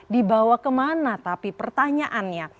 dibawa kemana tapi pertanyaannya